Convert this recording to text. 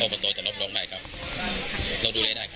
โอปโตจะรับรองได้ครับเราดูแลได้ครับ